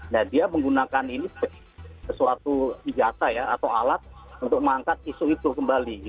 nah dia menggunakan ini suatu ijata ya atau alat untuk mengangkat isu itu kembali